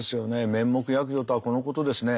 面目躍如とはこのことですね。